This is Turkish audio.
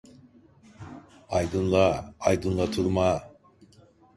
Aydınlığa, aydınlatılmaya.